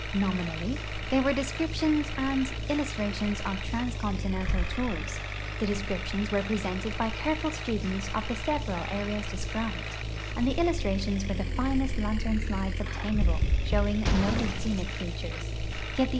Nominalh', they were descriptions and illustrations of tran.scontinental tours ; the descriptions were ])resented b\' careful students of the several areas described, and the illustrations were the finest lantern slides obtainable, show ing noted scenic features; yet the e.